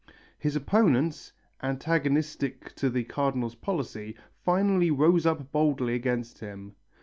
His opponents, antagonistic to the Cardinal's policy, finally rose up boldly against him.